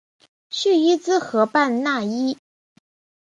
叙伊兹河畔讷伊。